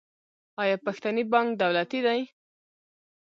آیا پښتني بانک دولتي دی؟